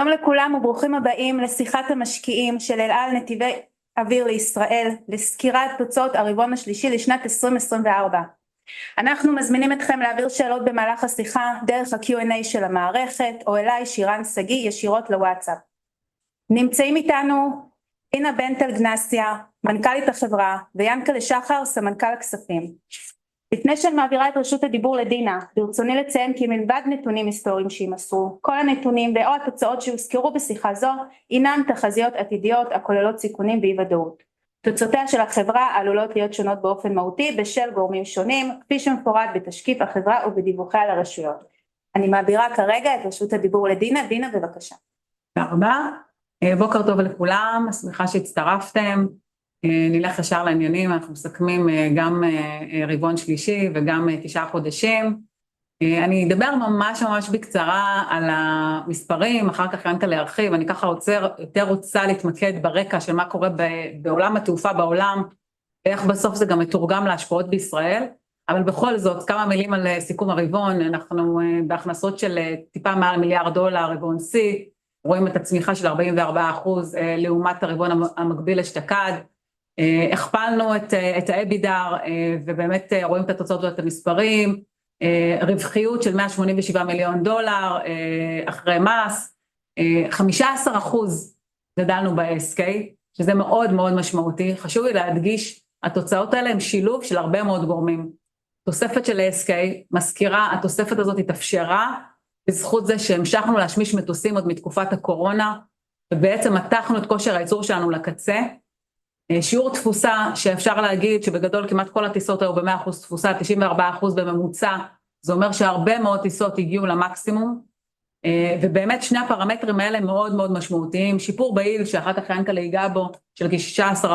שלום לכולם וברוכים הבאים לשיחת המשקיעים של אל על נתיבי אוויר לישראל, לסקירת תוצאות הרבעון השלישי לשנת 2024. אנחנו מזמינים אתכם להעביר שאלות במהלך השיחה דרך ה-Q&A של המערכת או אליי שירן שגיא ישירות לוואטסאפ. נמצאים איתנו דינה בנטל גנסייה, מנכ"לית החברה, וינקה לשחר, סמנכ"ל הכספים. לפני שאני מעבירה את רשות הדיבור לדינה, ברצוני לציין כי מלבד נתונים היסטוריים שימסרו, כל הנתונים ו/או התוצאות שהוזכרו בשיחה זו אינם תחזיות עתידיות הכוללות סיכונים באי-ודאות. תוצאותיה של החברה עלולות להיות שונות באופן מהותי בשל גורמים שונים, כפי שמפורט בתשקיף החברה ובדיווחיה לרשויות. אני מעבירה כרגע את רשות הדיבור לדינה. דינה, בבקשה. תודה רבה. בוקר טוב לכולם, שמחה שהצטרפתם. נלך ישר לעניינים, אנחנו מסכמים גם רבעון שלישי וגם תשעה חודשים. אני אדבר ממש ממש בקצרה על המספרים, אחר כך ינקה להרחיב. אני ככה יותר רוצה להתמקד ברקע של מה קורה בעולם התעופה בעולם ואיך בסוף זה גם מתורגם להשפעות בישראל. אבל בכל זאת, כמה מילים על סיכום הרבעון. אנחנו בהכנסות של טיפה מעל מיליארד דולר רבעון שלישי, רואים את הצמיחה של 44% לעומת הרבעון המקביל אשתקד. הכפלנו את האבידר ובאמת רואים את התוצאות ואת המספרים. רווחיות של $187 מיליון דולר אחרי מס, 15% גדלנו ב-ASK, שזה מאוד מאוד משמעותי. חשוב לי להדגיש, התוצאות האלה הם שילוב של הרבה מאוד גורמים. תוספת של ASK, מזכירה, התוספת הזאת התאפשרה בזכות זה שהמשכנו להשמיש מטוסים עוד מתקופת הקורונה ובעצם מתחנו את כושר הייצור שלנו לקצה. שיעור תפוסה שאפשר להגיד שבגדול כמעט כל הטיסות היו ב-100% תפוסה, 94% בממוצע, זה אומר שהרבה מאוד טיסות הגיעו למקסימום. ובאמת שני הפרמטרים האלה מאוד מאוד משמעותיים, שיפור ביעיל שאחר כך ינקה יגע בו של כ-16%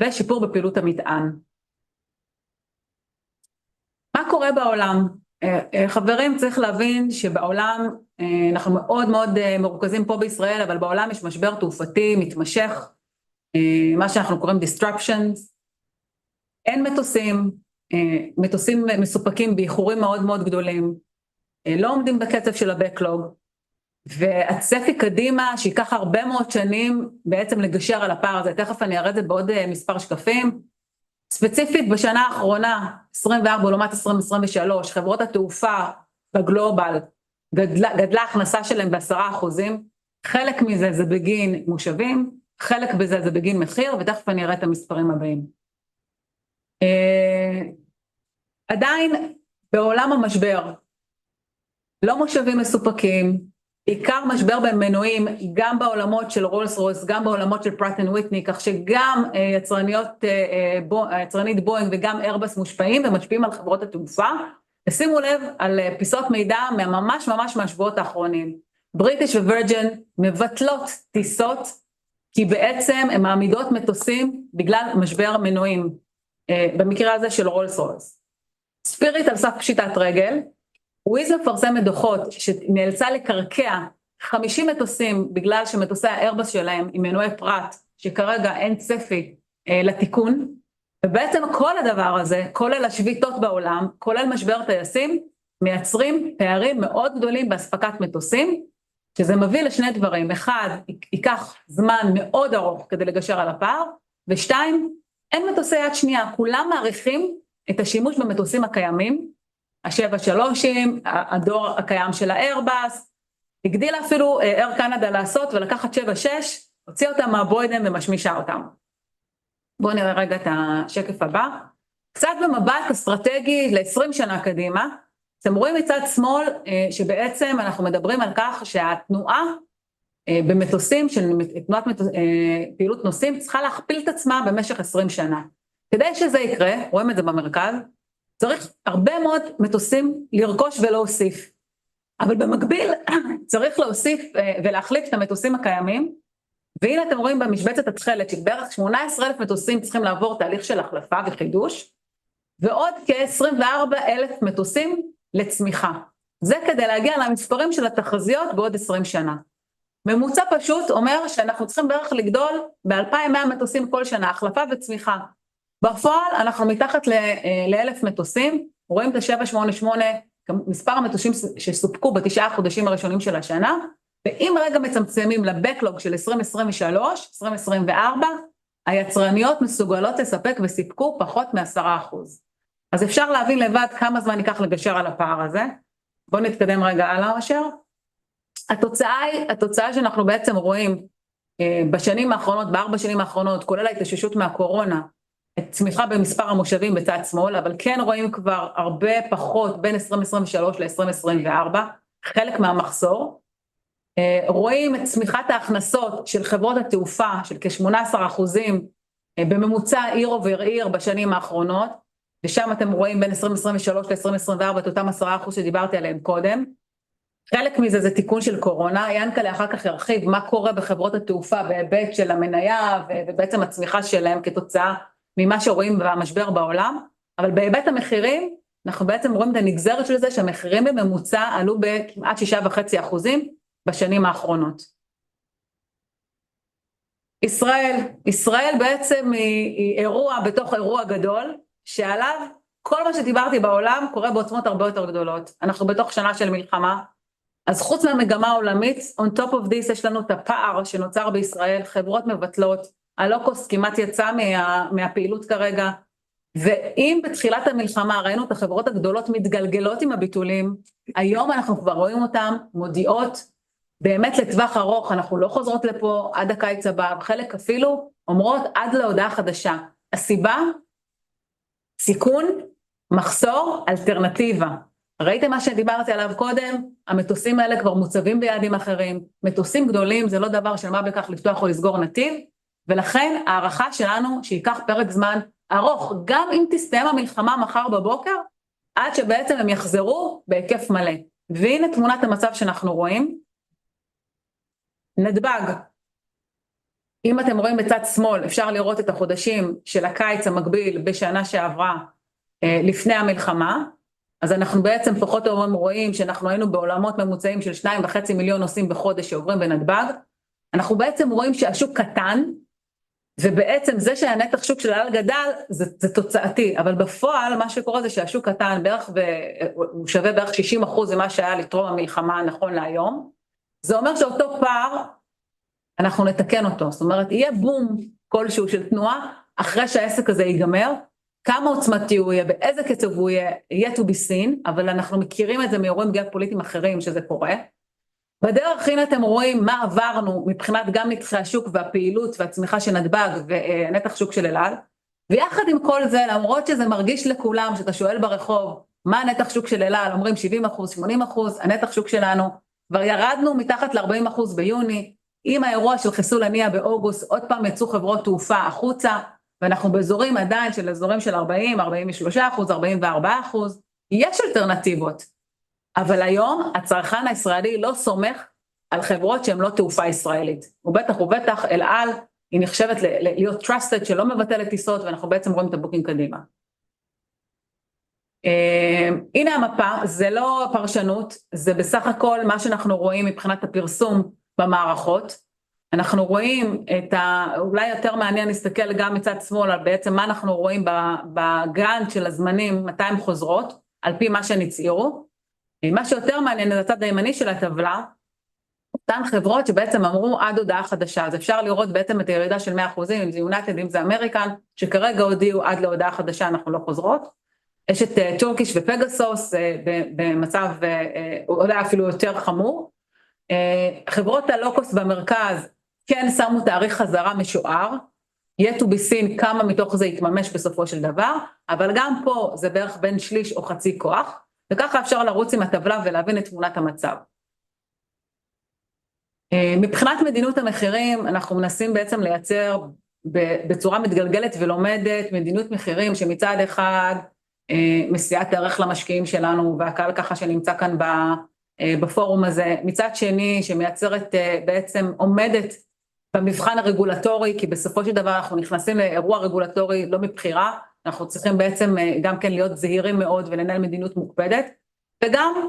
ושיפור בפעילות המטען. מה קורה בעולם? חברים, צריך להבין שבעולם אנחנו מאוד מאוד מרוכזים פה בישראל, אבל בעולם יש משבר תעופתי מתמשך, מה שאנחנו קוראים Disruptions. אין מטוסים, מטוסים מסופקים באיחורים מאוד מאוד גדולים, לא עומדים בקצב של הבקלוג, והצפי קדימה שייקח הרבה מאוד שנים בעצם לגשר על הפער הזה. תכף אני אראה את זה בעוד מספר שקפים. ספציפית בשנה האחרונה, 2024 לעומת 2023, חברות התעופה בגלובל גדלה ההכנסה שלהם ב-10%. חלק מזה זה בגין מושבים, חלק מזה זה בגין מחיר, ותכף אני אראה את המספרים הבאים. עדיין בעולם המשבר, לא מושבים מסופקים, עיקר משבר במנועים גם בעולמות של רולס רויס, גם בעולמות של פראט אנד וויטני, כך שגם יצרנית בואינג וגם איירבס מושפעים ומשפיעים על חברות התעופה. שימו לב על פיסות מידע ממש ממש מהשבועות האחרונים. בריטיש וירג'ין מבטלות טיסות כי בעצם הן מעמידות מטוסים בגלל משבר המנועים, במקרה הזה של רולס רויס. ספיריט על סף פשיטת רגל, וויז מפרסמת דוחות שנאלצה לקרקע 50 מטוסים בגלל שמטוסי האיירבס שלהם עם מנועי פראט שכרגע אין צפי לתיקון, ובעצם כל הדבר הזה, כולל השביתות בעולם, כולל משבר הטייסים, מייצרים פערים מאוד גדולים באספקת מטוסים, שזה מביא לשני דברים. אחד, ייקח זמן מאוד ארוך כדי לגשר על הפער, ושתיים, אין מטוסי יד שנייה, כולם מעריכים את השימוש במטוסים הקיימים, ה-737, הדור הקיים של האיירבס, הגדילה אפילו אייר קנדה לעשות ולקחת 76, הוציאה אותם מהבויד ומשמישה אותם. בואו נראה רגע את השקף הבא. קצת במבט אסטרטגי ל-20 שנה קדימה, אתם רואים מצד שמאל שבעצם אנחנו מדברים על כך שהתנועה במטוסים של תנועת פעילות נוסעים צריכה להכפיל את עצמה במשך 20 שנה. כדי שזה יקרה, רואים את זה במרכז, צריך הרבה מאוד מטוסים לרכוש ולהוסיף, אבל במקביל צריך להוסיף ולהחליף את המטוסים הקיימים. והנה אתם רואים במשבצת התכלת שבערך 18,000 מטוסים צריכים לעבור תהליך של החלפה וחידוש, ועוד כ-24,000 מטוסים לצמיחה. זה כדי להגיע למספרים של התחזיות בעוד 20 שנה. ממוצע פשוט אומר שאנחנו צריכים בערך לגדול ב-2,100 מטוסים כל שנה, החלפה וצמיחה. בפועל אנחנו מתחת ל-1,000 מטוסים, רואים את ה-788, מספר המטוסים שסופקו בתשעה החודשים הראשונים של השנה. ואם רגע מצמצמים לבקלוג של 2023, 2024, היצרניות מסוגלות לספק וסיפקו פחות מ-10%. אז אפשר להבין לבד כמה זמן ייקח לגשר על הפער הזה. בואו נתקדם הלאה. התוצאה היא, התוצאה שאנחנו בעצם רואים בשנים האחרונות, בארבע השנים האחרונות, כולל ההתאוששות מהקורונה, את צמיחה במספר המושבים בצד שמאל, אבל כן רואים כבר הרבה פחות בין 2023 ל-2024, חלק מהמחסור. רואים את צמיחת ההכנסות של חברות התעופה של כ-18% בממוצע עיר עובר עיר בשנים האחרונות, ושם אתם רואים בין 2023 ל-2024 את אותם 10% שדיברתי עליהם קודם. חלק מזה זה תיקון של קורונה, ינקה לאחר כך ירחיב מה קורה בחברות התעופה בהיבט של המניה ובעצם הצמיחה שלהם כתוצאה ממה שרואים במשבר בעולם, אבל בהיבט המחירים אנחנו בעצם רואים את הנגזרת של זה שהמחירים בממוצע עלו בכמעט 6.5% בשנים האחרונות. ישראל, ישראל בעצם היא אירוע בתוך אירוע גדול שעליו כל מה שדיברתי בעולם קורה בעוצמות הרבה יותר גדולות. אנחנו בתוך שנה של מלחמה, אז חוץ מהמגמה העולמית, on top of this יש לנו את הפער שנוצר בישראל. חברות מבטלות, הלוקוס כמעט יצא מהפעילות כרגע, ואם בתחילת המלחמה ראינו את החברות הגדולות מתגלגלות עם הביטולים, היום אנחנו כבר רואים אותן מודיעות באמת לטווח ארוך: אנחנו לא חוזרות לפה עד הקיץ הבא, חלק אפילו אומרות עד להודעה חדשה. הסיבה? סיכון, מחסור, אלטרנטיבה. ראיתם מה שדיברתי עליו קודם? המטוסים האלה כבר מוצבים ביעדים אחרים, מטוסים גדולים זה לא דבר של מה בכך לפתוח או לסגור נתיב, ולכן ההערכה שלנו שייקח פרק זמן ארוך, גם אם תסתיים המלחמה מחר בבוקר, עד שבעצם הם יחזרו בהיקף מלא. והנה תמונת המצב שאנחנו רואים. נתב"ג. אם אתם רואים בצד שמאל אפשר לראות את החודשים של הקיץ המקביל בשנה שעברה לפני המלחמה, אז אנחנו בעצם לפחות היום רואים שאנחנו היינו בעולמות ממוצעים של 2.5 מיליון נוסעים בחודש שעוברים בנתב"ג. אנחנו בעצם רואים שהשוק קטן, ובעצם זה שהנתח שוק של אל גדל זה תוצאתי, אבל בפועל מה שקורה זה שהשוק קטן בערך והוא שווה בערך 60% ממה שהיה לפני המלחמה נכון להיום. זה אומר שאותו פער אנחנו נתקן אותו, זאת אומרת יהיה בום כלשהו של תנועה אחרי שהעסק הזה ייגמר. כמה עוצמתי הוא יהיה, באיזה קצב הוא יהיה, יהיה to be seen, אבל אנחנו מכירים את זה מאירועים גיאופוליטיים אחרים שזה קורה. בדרך הנה אתם רואים מה עברנו מבחינת גם נתחי השוק והפעילות והצמיחה של נדבג ונתח שוק של אל על, ויחד עם כל זה למרות שזה מרגיש לכולם שאתה שואל ברחוב מה נתח שוק של אל על, אומרים 70%, 80%, הנתח שוק שלנו כבר ירדנו מתחת ל-40% ביוני. עם האירוע של חיסול הנייה באוגוסט, עוד פעם יצאו חברות תעופה החוצה, ואנחנו באזורים עדיין של אזורים של 40%, 43%, 44%. יש אלטרנטיבות, אבל היום הצרכן הישראלי לא סומך על חברות שהן לא תעופה ישראלית, ובטח ובטח אל על היא נחשבת להיות trusted שלא מבטלת טיסות, ואנחנו בעצם רואים את הבוקים קדימה. הנה המפה, זה לא פרשנות, זה בסך הכל מה שאנחנו רואים מבחינת הפרסום במערכות. אנחנו רואים את ה... אולי יותר מעניין להסתכל גם מצד שמאל על בעצם מה אנחנו רואים בגאנט של הזמנים, מתי הן חוזרות, על פי מה שהן הצהירו. מה שיותר מעניין זה הצד הימני של הטבלה, אותן חברות שבעצם אמרו עד הודעה חדשה. אז אפשר לראות בעצם את הירידה של 100%, אם זה יונייטד, אם זה אמריקן, שכרגע הודיעו עד להודעה חדשה אנחנו לא חוזרות. יש את טורקיש ופגסוס במצב אולי אפילו יותר חמור. חברות הלואו קוסט במרכז כן שמו תאריך חזרה משוער, יהיה to be seen כמה מתוך זה יתממש בסופו של דבר, אבל גם פה זה בערך בין שליש או חצי כוח. ככה אפשר לרוץ עם הטבלה ולהבין את תמונת המצב. מבחינת מדיניות המחירים אנחנו מנסים בעצם לייצר בצורה מתגלגלת ולומדת מדיניות מחירים שמצד אחד מסייעת ערך למשקיעים שלנו והקהל שנמצא כאן בפורום הזה, מצד שני שמייצרת בעצם עומדת במבחן הרגולטורי. כי בסופו של דבר אנחנו נכנסים לאירוע רגולטורי לא מבחירה, אנחנו צריכים בעצם גם כן להיות זהירים מאוד ולנהל מדיניות מוקפדת, וגם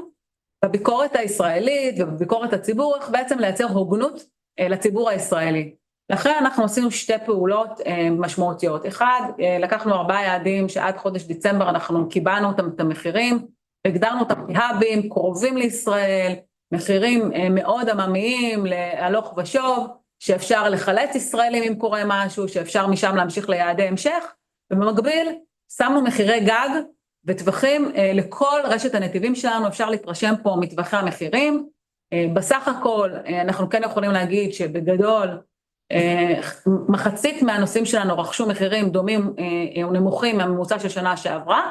בביקורת הישראלית ובביקורת הציבור איך בעצם לייצר הוגנות לציבור הישראלי. לכן אנחנו עשינו שתי פעולות משמעותיות. אחת, לקחנו ארבעה יעדים שעד חודש דצמבר אנחנו קיבלנו אותם את המחירים, הגדרנו אותם כיעדים קרובים לישראל, מחירים מאוד עממיים להלוך ושוב, שאפשר לחלץ ישראלים אם קורה משהו, שאפשר משם להמשיך ליעדי המשך, ובמקביל שמנו מחירי גג וטווחים לכל רשת הנתיבים שלנו. אפשר להתרשם פה מטווחי המחירים. בסך הכל אנחנו כן יכולים להגיד שבגדול מחצית מהנושאים שלנו רכשו מחירים דומים או נמוכים מהממוצע של שנה שעברה,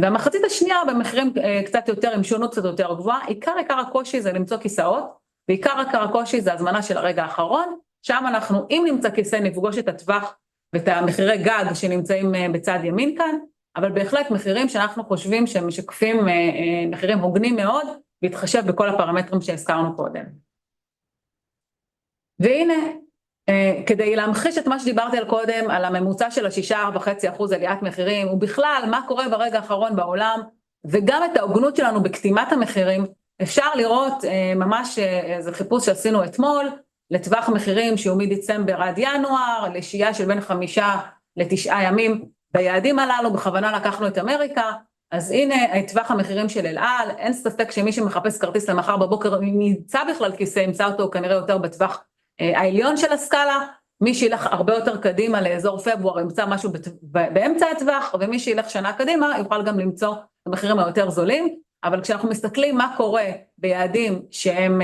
והמחצית השנייה במחירים קצת יותר עם שונות קצת יותר גבוהה. עיקר עיקר הקושי זה למצוא כיסאות, ועיקר עיקר הקושי זה ההזמנה של הרגע האחרון, שם אנחנו אם נמצא כיסא נפגוש את הטווח ואת מחירי הגג שנמצאים בצד ימין כאן, אבל בהחלט מחירים שאנחנו חושבים שהם משקפים מחירים הוגנים מאוד, בהתחשב בכל הפרמטרים שהזכרנו קודם. והנה, כדי להמחיש את מה שדיברתי עליו קודם, על הממוצע של 6.5% עליית מחירים ובכלל מה קורה ברגע האחרון בעולם, וגם את ההוגנות שלנו בקביעת המחירים, אפשר לראות איזה חיפוש שעשינו אתמול לטווח מחירים שהוא מדצמבר עד ינואר, לשהייה של בין חמישה לתשעה ימים, ביעדים הללו. בכוונה לקחנו את אמריקה, אז הנה טווח המחירים של אל על. אין ספק שמי שמחפש כרטיס למחר בבוקר, אם ימצא בכלל כיסא, ימצא אותו כנראה יותר בטווח העליון של הסקאלה. מי שילך הרבה יותר קדימה לאזור פברואר ימצא משהו באמצע הטווח, ומי שילך שנה קדימה יוכל גם למצוא את המחירים הזולים יותר. אבל כשאנחנו מסתכלים מה קורה ביעדים שהם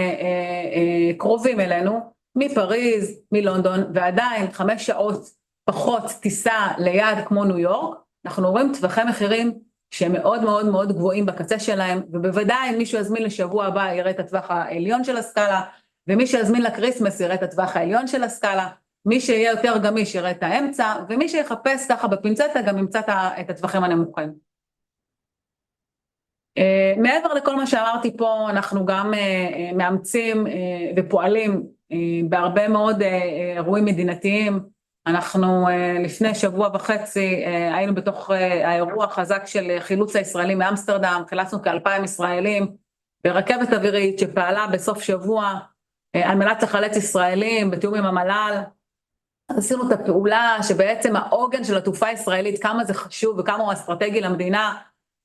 קרובים אלינו, מפריז, מלונדון, ועדיין חמש שעות פחות טיסה ליעד כמו ניו יורק, אנחנו רואים טווחי מחירים שהם מאוד מאוד מאוד גבוהים בקצה שלהם. ובוודאי אם מישהו יזמין לשבוע הבא יראה את הטווח העליון של הסקאלה, ומי שיזמין לחג המולד יראה את הטווח העליון של הסקאלה. מי שיהיה יותר גמיש יראה את האמצע, ומי שיחפש בפינצטה גם ימצא את הטווחים הנמוכים. מעבר לכל מה שאמרתי פה, אנחנו גם מאמצים ופועלים בהרבה מאוד אירועים מדינתיים. אנחנו לפני שבוע וחצי היינו בתוך האירוע החזק של חילוץ הישראלים מאמסטרדם, חילצנו כ-2,000 ישראלים ברכבת אווירית שפעלה בסוף שבוע על מנת לחלץ ישראלים בתיאום עם המל"ל. אז עשינו את הפעולה שבעצם העוגן של התעופה הישראלית כמה זה חשוב וכמה הוא אסטרטגי למדינה,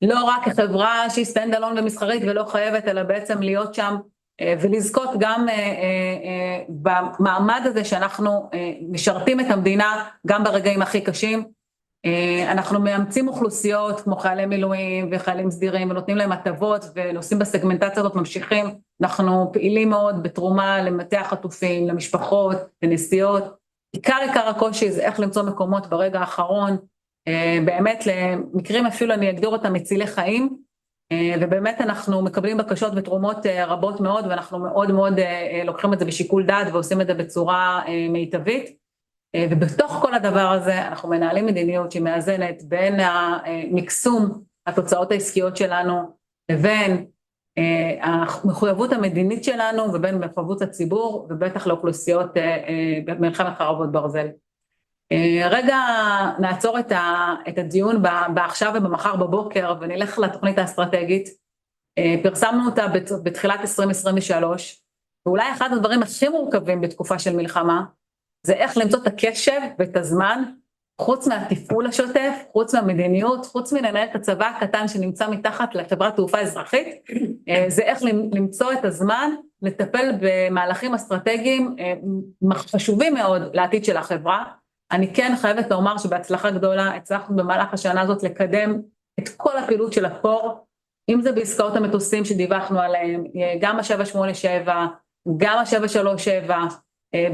לא רק כחברה שהיא סטנד אלון ומסחרית ולא חייבת, אלא בעצם להיות שם ולזכות גם במעמד הזה שאנחנו משרתים את המדינה גם ברגעים הכי קשים. אנחנו מאמצים אוכלוסיות כמו חיילי מילואים וחיילים סדירים ונותנים להם הטבות ונוסעים בסגמנטציה הזאת. ממשיכים, אנחנו פעילים מאוד בתרומה למטה החטופים, למשפחות, לנסיעות. עיקר עיקר הקושי זה איך למצוא מקומות ברגע האחרון באמת למקרים אפילו אני אגדיר אותם מצילי חיים. באמת אנחנו מקבלים בקשות ותרומות רבות מאוד ואנחנו מאוד מאוד לוקחים את זה בשיקול דעת ועושים את זה בצורה מיטבית. בתוך כל הדבר הזה אנחנו מנהלים מדיניות שהיא מאזנת בין המקסום התוצאות העסקיות שלנו לבין המחויבות המדינית שלנו ובין מחויבות הציבור ובטח לאוכלוסיות במלחמת חרבות ברזל. רגע, נעצור את הדיון עכשיו ומחר בבוקר נלך לתוכנית האסטרטגית. פרסמנו אותה בתחילת 2023, ואולי אחד הדברים הכי מורכבים בתקופה של מלחמה זה איך למצוא את הקשב ואת הזמן, חוץ מהתפעול השוטף, חוץ מהמדיניות, חוץ מלנהל את הצבא הקטן שנמצא מתחת לחברת תעופה אזרחית. זה איך למצוא את הזמן לטפל במהלכים אסטרטגיים חשובים מאוד לעתיד של החברה. אני כן חייבת לומר שבהצלחה גדולה הצלחנו במהלך השנה הזאת לקדם את כל הפעילות של הקור, אם זה בעסקאות המטוסים שדיווחנו עליהם, גם ה-787, גם ה-737.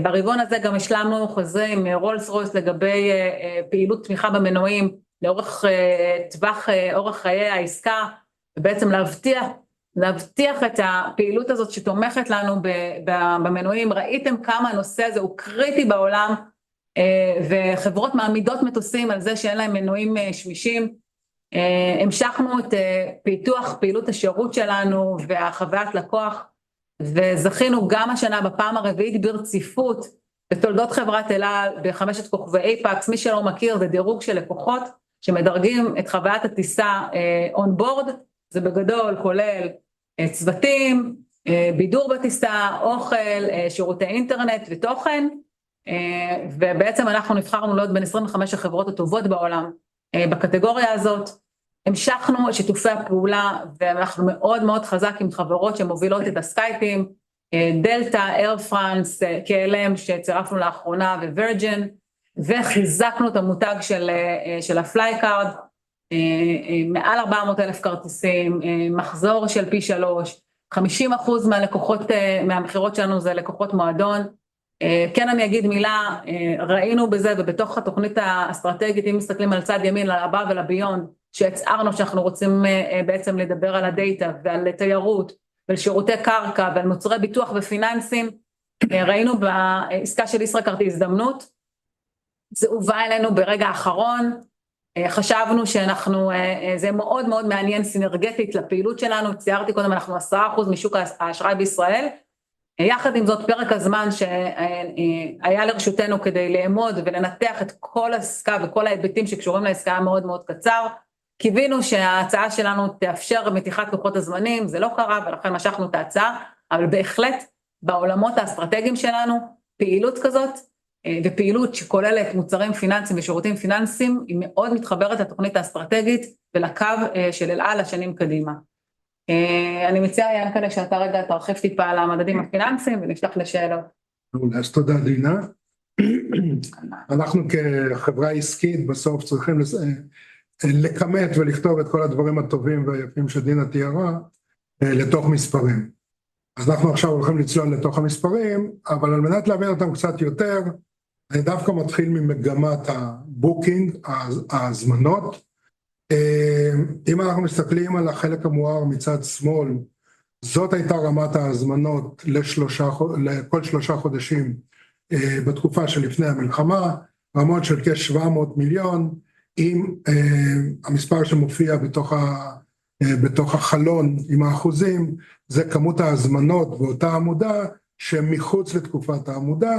בריבון הזה גם השלמנו חוזרים מרולס רויס לגבי פעילות תמיכה במנועים לאורך טווח אורך חיי העסקה, ובעצם להבטיח את הפעילות הזאת שתומכת לנו במנועים. ראיתם כמה הנושא הזה הוא קריטי בעולם, וחברות מעמידות מטוסים על זה שאין להם מנועים שמישים. המשכנו את פיתוח פעילות השירות שלנו והחווית לקוח, וזכינו גם השנה בפעם הרביעית ברציפות בתולדות חברת אל על בחמשת כוכבי אייפקס. מי שלא מכיר זה דירוג של לקוחות שמדרגים את חוויית הטיסה אונבורד, זה בגדול כולל צוותים, בידור בטיסה, אוכל, שירותי אינטרנט ותוכן. ובעצם אנחנו נבחרנו להיות בין 25 החברות הטובות בעולם בקטגוריה הזאת. המשכנו את שיתופי הפעולה ואנחנו מאוד מאוד חזקים עם חברות שמובילות את הסקייפים, דלתא, אייר פראנס, קהלם שצירפנו לאחרונה וורג'ן, וחיזקנו את המותג של הפלייקרד, מעל 400 אלף כרטיסים, מחזור של פי שלוש, 50% מהלקוחות מהמכירות שלנו זה לקוחות מועדון. כן אני אגיד מילה, ראינו בזה ובתוך התוכנית האסטרטגית אם מסתכלים על צד ימין על הבא ולביון שהצערנו שאנחנו רוצים בעצם לדבר על הדייטה ועל תיירות ועל שירותי קרקע ועל מוצרי ביטוח ופיננסים. ראינו בעסקה של ישראל כרטיס הזדמנות, זה הובא אלינו ברגע האחרון. חשבנו שאנחנו זה מאוד מאוד מעניין סינרגטית לפעילות שלנו, ציירתי קודם אנחנו 10% משוק האשראי בישראל. יחד עם זאת פרק הזמן שהיה לרשותנו כדי לעמוד ולנתח את כל העסקה וכל ההיבטים שקשורים לעסקה היה מאוד מאוד קצר, קיווינו שההצעה שלנו תאפשר מתיחת כוחות הזמנים, זה לא קרה ולכן משכנו את ההצעה. אבל בהחלט בעולמות האסטרטגיים שלנו פעילות כזאת ופעילות שכוללת מוצרים פיננסיים ושירותים פיננסיים היא מאוד מתחברת לתוכנית האסטרטגית ולקו של אל על השנים קדימה. אני מציעה יענקל'ה שאתה רגע תרחיב טיפה על המדדים הפיננסיים ונפתח לשאלות. מעולה, אז תודה דינה. אנחנו כחברה עסקית בסוף צריכים לכמת ולכתוב את כל הדברים הטובים והיפים שדינה תיארה לתוך מספרים. אז אנחנו עכשיו הולכים לצלול לתוך המספרים, אבל על מנת להבין אותם קצת יותר, אני דווקא מתחיל ממגמת הבוקינג, ההזמנות. אם אנחנו מסתכלים על החלק המואר מצד שמאל, זאת הייתה רמת ההזמנות לכל שלושה חודשים בתקופה שלפני המלחמה, רמות של כ-₪700 מיליון. המספר שמופיע בתוך החלון עם האחוזים זה כמות ההזמנות באותה עמודה שמחוץ לתקופת העמודה,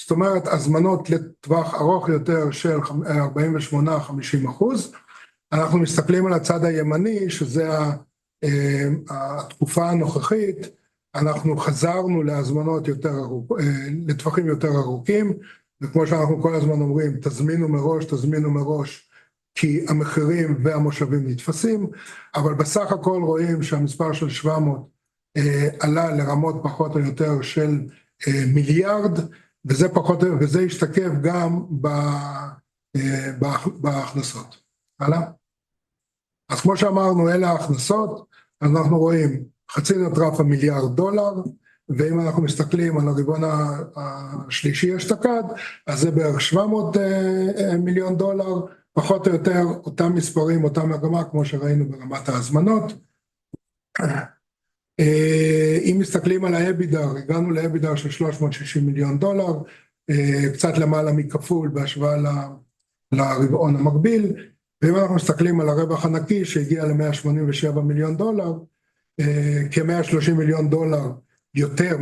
זאת אומרת הזמנות לטווח ארוך יותר של 48%-50%. אנחנו מסתכלים על הצד הימני שזה התקופה הנוכחית, אנחנו חזרנו להזמנות יותר לטווחים יותר ארוכים, וכמו שאנחנו כל הזמן אומרים תזמינו מראש, תזמינו מראש כי המחירים והמושבים נתפסים, אבל בסך הכל רואים שהמספר של $700 מיליון עלה לרמות פחות או יותר של מיליארד, וזה פחות וזה השתקף גם בהכנסות. הלאה. אז כמו שאמרנו אלה ההכנסות, אז אנחנו רואים חצי מיליארד דולר, ואם אנחנו מסתכלים על הרבעון השלישי השנה, אז זה בערך $700 מיליון, פחות או יותר אותם מספרים, אותה מגמה כמו שראינו ברמת ההזמנות. אם מסתכלים על האבידר, הגענו לאבידר של $360 מיליון, קצת למעלה מכפול בהשוואה לרבעון המקביל, ואם אנחנו מסתכלים על הרווח הנקי שהגיע ל-$187 מיליון, כ-$130 מיליון יותר,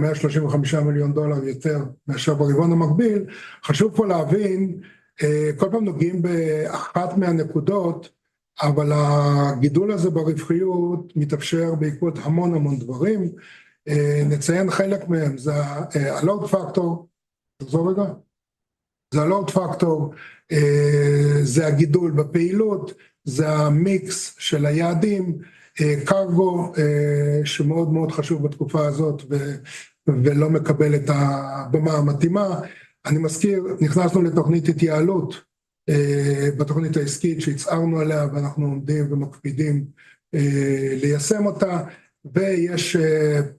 $135 מיליון יותר מאשר ברבעון המקביל. חשוב פה להבין, כל פעם נוגעים באחת מהנקודות, אבל הגידול הזה ברווחיות מתאפשר בעקבות המון המון דברים. נציין חלק מהם זה הלואד פקטור, זה הגידול בפעילות, זה המיקס של היעדים, קרגו שמאוד מאוד חשוב בתקופה הזאת ולא מקבל את הבמה המתאימה. אני מזכיר נכנסנו לתוכנית התייעלות בתוכנית העסקית שהצגנו עליה ואנחנו עומדים ומקפידים ליישם אותה, ויש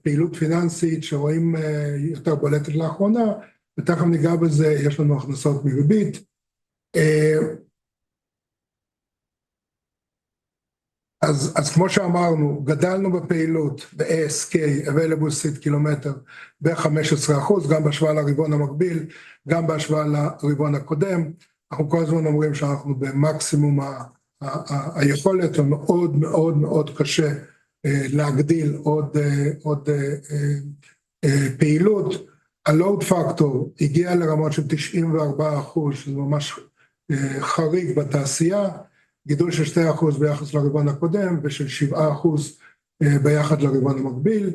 פעילות פיננסית שרואים יותר בולטת לאחרונה, ותכף ניגע בזה. יש לנו הכנסות מריבית. כמו שאמרנו גדלנו בפעילות ב-ASK Available Seat Kilometer ב-15%, גם בהשוואה לרבעון המקביל, גם בהשוואה לרבעון הקודם. אנחנו כל הזמן אומרים שאנחנו במקסימום היכולת ומאוד מאוד מאוד קשה להגדיל עוד עוד פעילות. הלואד פקטור הגיע לרמות של 94%, שזה ממש חריג בתעשייה, גידול של 2% ביחס לרבעון הקודם ושל 7% ביחס לרבעון המקביל.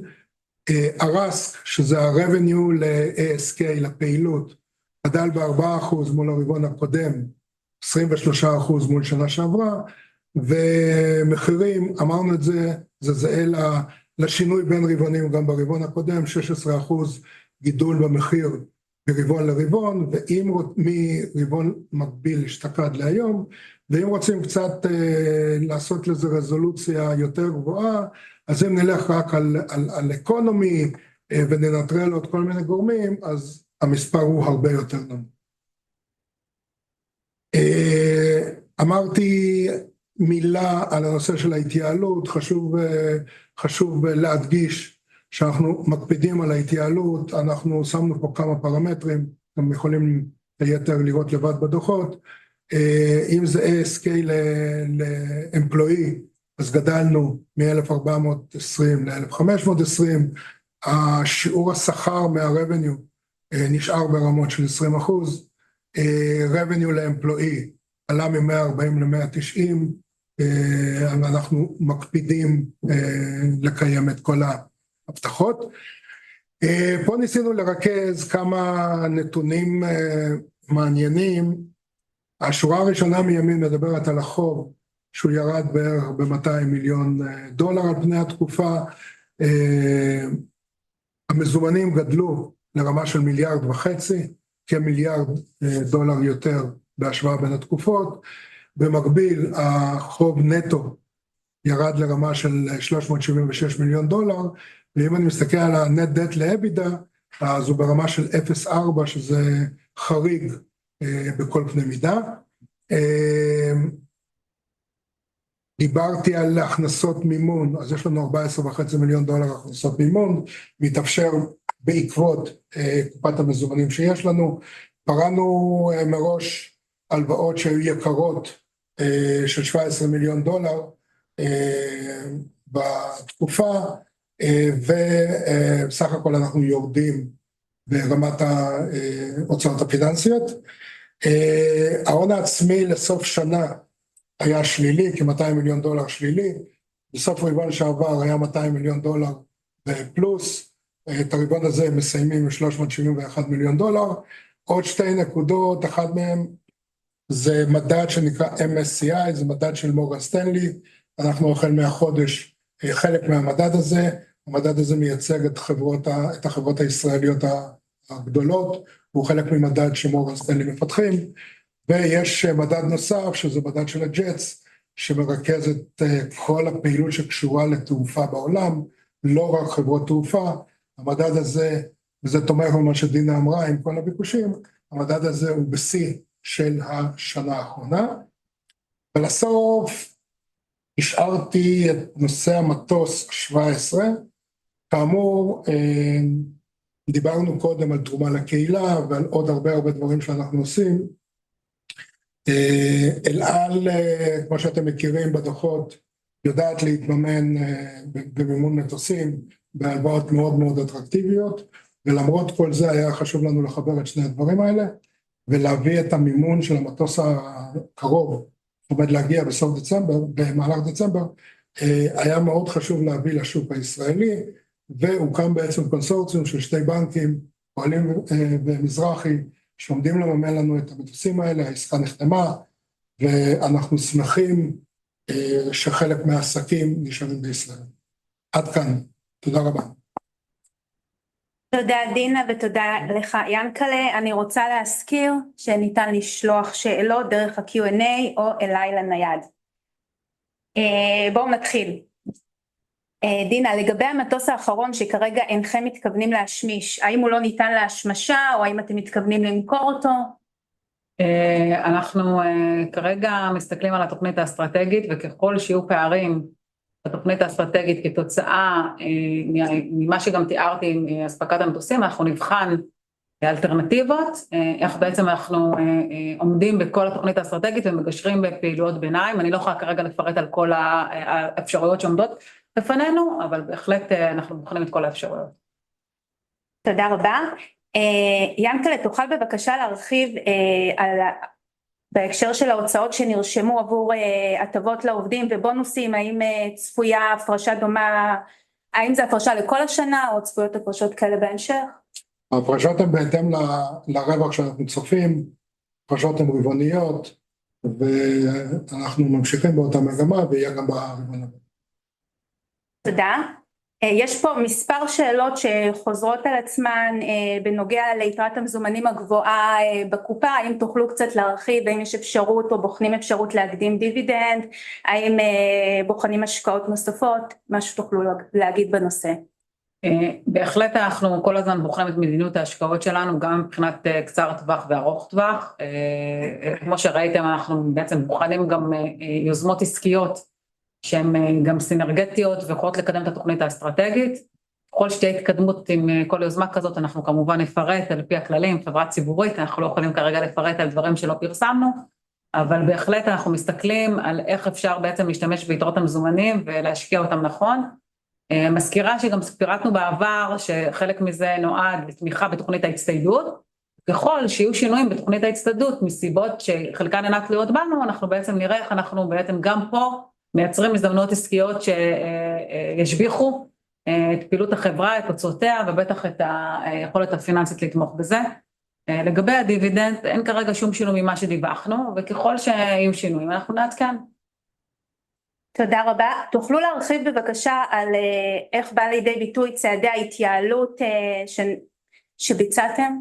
הרסק שזה הרוונו ל-ASK לפעילות גדל ב-4% מול הרבעון הקודם, 23% מול שנה שעברה, ומחירים אמרנו את זה זה זהה לשינוי בין רבעונים גם ברבעון הקודם, 16% גידול במחיר מרבעון לרבעון, ואם מרבעון מקביל השתקד להיום. ואם רוצים קצת לעשות לזה רזולוציה יותר גבוהה, אז אם נלך רק על אקונומי וננטרל עוד כל מיני גורמים, אז המספר הוא הרבה יותר נמוך. אמרתי מילה על הנושא של ההתייעלות, חשוב להדגיש שאנחנו מקפידים על ההתייעלות, אנחנו שמנו פה כמה פרמטרים, אתם יכולים לראות לבד בדוחות, אם זה ASK לעמפלואי, אז גדלנו מ-$1,420 ל-$1,520, שיעור השכר מהרווניו נשאר ברמות של 20%, רווניו לעמפלואי עלה מ-$140 ל-$190, ואנחנו מקפידים לקיים את כל ההבטחות. פה ניסינו לרכז כמה נתונים מעניינים, השורה הראשונה מימין מדברת על החוב שהוא ירד בערך ב-$200 מיליון על פני התקופה, המזומנים גדלו לרמה של מיליארד וחצי, כמיליארד דולר יותר בהשוואה בין התקופות, במקביל החוב נטו ירד לרמה של $376 מיליון, ואם אני מסתכל על הנט דט לאבידה, אז הוא ברמה של 0.4, שזה חריג בכל פני מידה. דיברתי על הכנסות מימון, אז יש לנו $14.5 מיליון הכנסות מימון, מתאפשר בעקבות קופת המזומנים שיש לנו. פרענו מראש הלוואות שהיו יקרות של $17 מיליון בתקופה, וסך הכל אנחנו יורדים ברמת ההוצאות הפיננסיות. ההון העצמי לסוף שנה היה שלילי, כ-$200 מיליון שלילי. בסוף רבעון שעבר היה $200 מיליון פלוס, את הרבעון הזה מסיימים עם $371 מיליון. עוד שתי נקודות, אחת מהן זה מדד שנקרא MSCI, זה מדד של מורגן סטנלי. אנחנו נכנסים מהחודש חלק מהמדד הזה. המדד הזה מייצג את החברות הישראליות הגדולות, הוא חלק ממדד שמורגן סטנלי מפתחים. יש מדד נוסף שזה מדד של הג'טס, שמרכז את כל הפעילות שקשורה לתעופה בעולם, לא רק חברות תעופה. המדד הזה, וזה תומך במה שדינה אמרה עם כל הביקושים, המדד הזה הוא בשיא של השנה האחרונה. ולסוף השארתי את נושא המטוס 17. כאמור דיברנו קודם על תרומה לקהילה ועל עוד הרבה הרבה דברים שאנחנו עושים. אל על, כמו שאתם מכירים בדוחות, יודעת להתממן במימון מטוסים בהלוואות מאוד מאוד אטרקטיביות. ולמרות כל זה היה חשוב לנו לחבר את שני הדברים האלה ולהביא את המימון של המטוס הקרוב, עומד להגיע בסוף דצמבר, במהלך דצמבר. היה מאוד חשוב להביא לשוק הישראלי, והוקם בעצם קונסורציום של שתי בנקים, פועלים ומזרחי, שעומדים לממן לנו את המטוסים האלה. העסקה נחתמה, ואנחנו שמחים שחלק מהעסקים נשארים בישראל. עד כאן, תודה רבה. תודה דינה ותודה לך יענקל'ה. אני רוצה להזכיר שניתן לשלוח שאלות דרך ה-Q&A או אליי לנייד. בואו נתחיל. דינה, לגבי המטוס האחרון שכרגע אינכם מתכוונים להשמיש, האם הוא לא ניתן להשמשה או האם אתם מתכוונים למכור אותו? אנחנו כרגע מסתכלים על התוכנית האסטרטגית, וככל שיהיו פערים בתוכנית האסטרטגית כתוצאה ממה שגם תיארתי מאספקת המטוסים, אנחנו נבחן אלטרנטיבות, איך בעצם אנחנו עומדים בכל התוכנית האסטרטגית ומגשרים בפעילויות ביניים. אני לא יכולה כרגע לפרט על כל האפשרויות שעומדות לפנינו, אבל בהחלט אנחנו בוחנים את כל האפשרויות. תודה רבה. יענקל'ה, תוכל בבקשה להרחיב על בהקשר של ההוצאות שנרשמו עבור הטבות לעובדים ובונוסים? האם צפויה הפרשה דומה? האם זה הפרשה לכל השנה או צפויות הפרשות כאלה בהמשך? ההפרשות הן בהתאם לרווח שאנחנו צופים. הפרשות הן ריבוניות, ואנחנו ממשיכים באותה מגמה ויהיה גם בריבון הבא. תודה. יש פה מספר שאלות שחוזרות על עצמן בנוגע ליתרת המזומנים הגבוהה בקופה. האם תוכלו קצת להרחיב? האם יש אפשרות או בוחנים אפשרות להקדים דיבידנד? האם בוחנים השקעות נוספות? משהו תוכלו להגיד בנושא? בהחלט אנחנו כל הזמן בוחנים את מדיניות ההשקעות שלנו, גם מבחינת קצר טווח וארוך טווח. כמו שראיתם אנחנו בעצם בוחנים גם יוזמות עסקיות שהן גם סינרגטיות ויכולות לקדם את התוכנית האסטרטגית. כל התקדמות עם כל יוזמה כזאת אנחנו כמובן נפרט על פי הכללים, חברה ציבורית, אנחנו לא יכולים כרגע לפרט על דברים שלא פרסמנו, אבל בהחלט אנחנו מסתכלים על איך אפשר בעצם להשתמש ביתרות המזומנים ולהשקיע אותם נכון. מזכירה שגם פירטנו בעבר שחלק מזה נועד לתמיכה בתוכנית ההצטיידות, ככל שיהיו שינויים בתוכנית ההצטיידות מסיבות שחלקן אינן תלויות בנו, אנחנו בעצם נראה איך אנחנו בעצם גם פה מייצרים הזדמנויות עסקיות שישביחו את פעילות החברה, את הוצאותיה ובטח את היכולת הפיננסית לתמוך בזה. לגבי הדיבידנד, אין כרגע שום שינוי ממה שדיווחנו, וככל שיהיו שינויים אנחנו נעדכן. תודה רבה. תוכלו להרחיב בבקשה על איך בא לידי ביטוי צעדי ההתייעלות שביצעתם?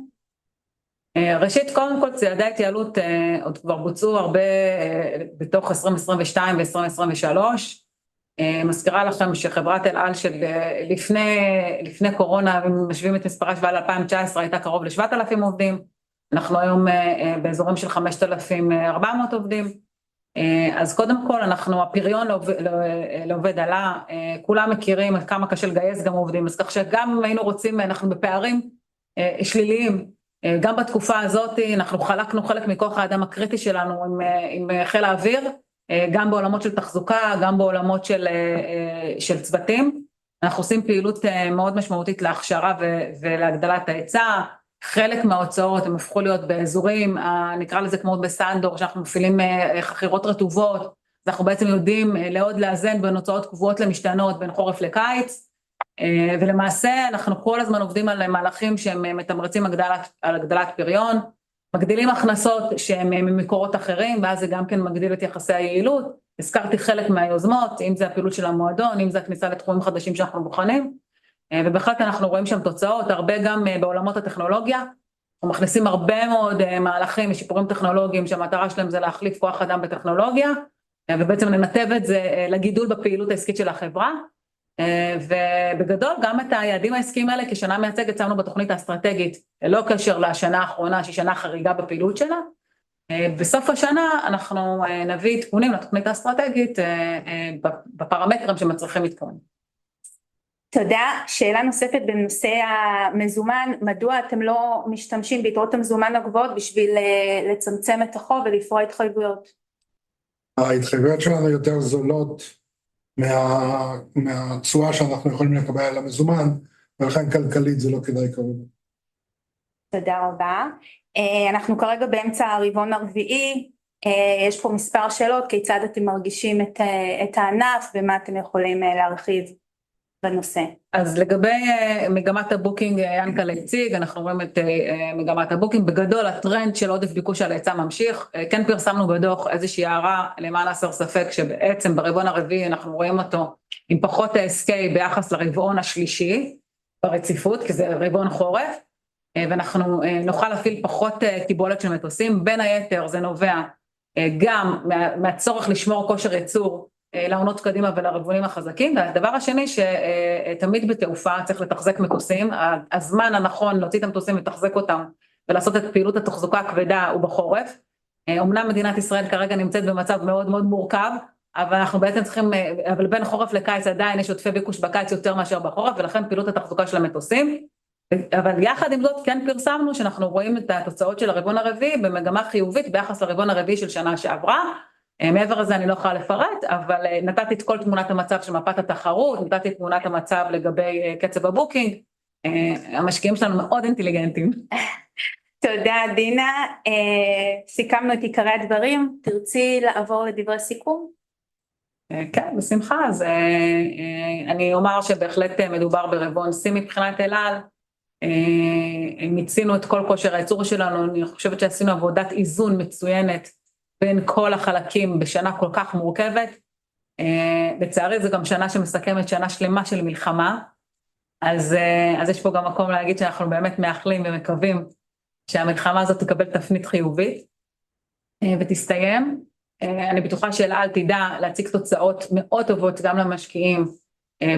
ראשית, קודם כל צעדי ההתייעלות כבר בוצעו הרבה בתוך 2022 ו-2023. מזכירה לכם שחברת אל על שלפני קורונה, אם משווים את מספרה של 2019, הייתה קרוב ל-7,000 עובדים. אנחנו היום באזורים של 5,400 עובדים. אז קודם כל אנחנו הפריון לעובד עלה, כולם מכירים עד כמה קשה לגייס גם עובדים, אז כך שגם היינו רוצים, אנחנו בפערים שליליים, גם בתקופה הזאת אנחנו חלקנו חלק מכוח האדם הקריטי שלנו עם חיל האוויר, גם בעולמות של תחזוקה, גם בעולמות של צוותים. אנחנו עושים פעילות מאוד משמעותית להכשרה ולהגדלת ההיצע, חלק מההוצאות הם הפכו להיות באזורים, נקרא לזה כמו בסנדור שאנחנו מפעילים חכירות רטובות, אז אנחנו בעצם יודעים לעוד לאזן בין הוצאות קבועות למשתנות בין חורף לקיץ. ולמעשה אנחנו כל הזמן עובדים על מהלכים שהם מתמרצים על הגדלת פריון, מגדילים הכנסות שהם ממקורות אחרים, ואז זה גם כן מגדיל את יחסי היעילות. הזכרתי חלק מהיוזמות, אם זה הפעילות של המועדון, אם זה הכניסה לתחומים חדשים שאנחנו בוחנים, ובהחלט אנחנו רואים שם תוצאות. הרבה גם בעולמות הטכנולוגיה, אנחנו מכניסים הרבה מאוד מהלכים משיפורים טכנולוגיים, שהמטרה שלהם זה להחליף כוח אדם בטכנולוגיה, ובעצם לנתב את זה לגידול בפעילות העסקית של החברה, ובגדול גם את היעדים העסקיים האלה. כשנה מייצגת, שמנו בתוכנית האסטרטגית, לא קשר לשנה האחרונה שהיא שנה חריגה בפעילות שלה, בסוף השנה אנחנו נביא עדכונים לתוכנית האסטרטגית, בפרמטרים שמצריכים עדכונים. תודה. שאלה נוספת בנושא המזומן, מדוע אתם לא משתמשים ביתרות המזומן הגבוהות בשביל לצמצם את החוב ולפרוע התחייבויות? ההתחייבויות שלנו יותר זולות מהתשואה שאנחנו יכולים לקבל על המזומן, ולכן כלכלית זה לא כדאי. תודה רבה. אנחנו כרגע באמצע הרבעון הרביעי, יש פה מספר שאלות, כיצד אתם מרגישים את הענף ומה אתם יכולים להרחיב בנושא? אז לגבי מגמת הבוקינג, יענקל'ה הציג, אנחנו רואים את מגמת הבוקינג. בגדול הטרנד של עודף ביקוש על היצע ממשיך. כן פרסמנו בדוח איזושהי הערה למען הסר ספק שבעצם ברבעון הרביעי אנחנו רואים אותו עם פחות ASK ביחס לרבעון השלישי ברציפות, כי זה רבעון חורף, ואנחנו נוכל להפעיל פחות קיבולת של מטוסים. בין היתר זה נובע גם מהצורך לשמור כושר ייצור לעונות קדימה ולרבעונים החזקים, והדבר השני שתמיד בתעופה צריך לתחזק מטוסים. הזמן הנכון להוציא את המטוסים, לתחזק אותם ולעשות את פעילות התחזוקה הכבדה הוא בחורף. אמנם מדינת ישראל כרגע נמצאת במצב מאוד מאוד מורכב, אבל אנחנו בעצם צריכים, אבל בין חורף לקיץ עדיין יש עודפי ביקוש בקיץ יותר מאשר בחורף, ולכן פעילות התחזוקה של המטוסים. אבל יחד עם זאת כן פרסמנו שאנחנו רואים את התוצאות של הרבעון הרביעי במגמה חיובית ביחס לרבעון הרביעי של שנה שעברה. מעבר לזה אני לא יכולה לפרט, אבל נתתי את כל תמונת המצב של מפת התחרות, נתתי את תמונת המצב לגבי קצב הבוקינג. המשקיעים שלנו מאוד אינטליגנטים. אה תודה דינה, אה סיכמנו את עיקרי הדברים, תרצי לעבור לדברי סיכום? כן, בשמחה. אז אני אומר שבהחלט מדובר ברבעון שיא מבחינת אל על. מיצינו את כל כושר הייצור שלנו. אני חושבת שעשינו עבודת איזון מצוינת בין כל החלקים בשנה כל כך מורכבת. לצערי זו גם שנה שמסכמת שנה שלמה של מלחמה, אז יש פה גם מקום להגיד שאנחנו באמת מאחלים ומקווים שהמלחמה הזאת תקבל תפנית חיובית ותסתיים. אני בטוחה שאל על תדע להציג תוצאות מאוד טובות גם למשקיעים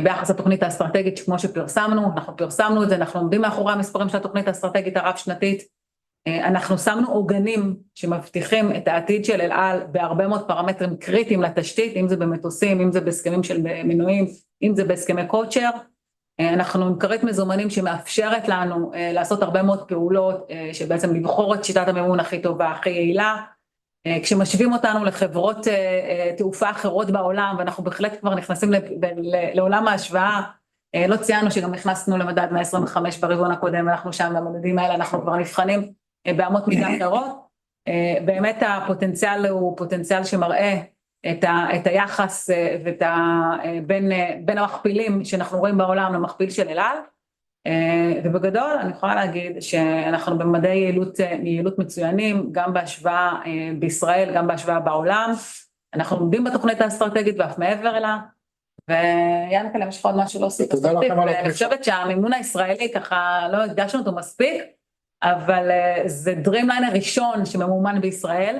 ביחס לתוכנית האסטרטגית כמו שפרסמנו. אנחנו פרסמנו את זה, אנחנו עומדים מאחורי המספרים של התוכנית האסטרטגית הרב שנתית. אנחנו שמנו עוגנים שמבטיחים את העתיד של אל על בהרבה מאוד פרמטרים קריטיים לתשתית, אם זה במטוסים, אם זה בהסכמים של מנועים, אם זה בהסכמי קוצ'ר. אנחנו עם כרית מזומנים שמאפשרת לנו לעשות הרבה מאוד פעולות שבעצם לבחור את שיטת המימון הכי טובה, הכי יעילה, כשמשווים אותנו לחברות תעופה אחרות בעולם. ואנחנו בהחלט כבר נכנסים לעולם ההשוואה. לא ציינו שגם נכנסנו למדד 125 ברבעון הקודם, אנחנו שם במדדים האלה, אנחנו כבר נבחנים באמות מידה אחרות. באמת הפוטנציאל הוא פוטנציאל שמראה את היחס ואת הפער בין המכפילים שאנחנו רואים בעולם למכפיל של אל על. ובגדול אני יכולה להגיד שאנחנו במדדי יעילות מצוינים, גם בהשוואה בישראל, גם בהשוואה בעולם. אנחנו עומדים בתוכנית האסטרטגית ואף מעבר לה. ויענקל'ה יש לך עוד משהו להוסיף? תודה לך, אני חושבת שהמימון הישראלי ככה לא הדגשנו אותו מספיק, אבל זה דרימליין הראשון שממומן בישראל.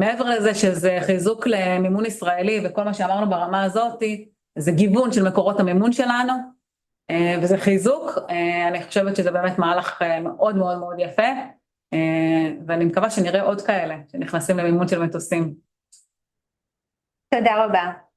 מעבר לזה שזה חיזוק למימון ישראלי וכל מה שאמרנו ברמה הזאת, זה גיוון של מקורות המימון שלנו, וזה חיזוק. אני חושבת שזה באמת מהלך מאוד מאוד מאוד יפה, ואני מקווה שנראה עוד כאלה שנכנסים למימון של מטוסים. תודה רבה.